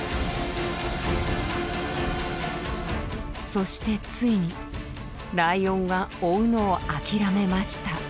そしてついにライオンは追うのを諦めました。